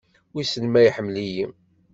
Wissen ma iḥemmel-iyi.